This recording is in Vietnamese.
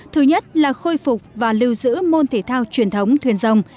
thứ nhất là khôi phục và lưu giữ môn thể thao truyền thống thuyền rồng